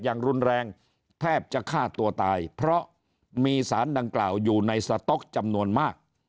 อย่างรุนแรงแทบจะฆ่าตัวตายเพราะมีสารดังกล่าวอยู่ในสต๊อกจำนวนมาก